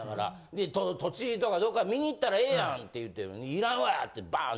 で土地とかどっか見に行ったらええやんって言ってんのに「いらんわ！」ってバン！